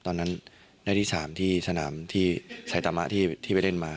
ตอนนั้นได้ที่๓ที่สนามที่ไซตามะที่ไปเล่นมา